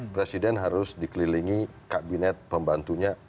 presiden harus dikelilingi kabinet pembantunya